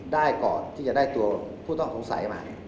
ได้ก่อนที่จะได้ตัวผู้ต้องสงสัยมา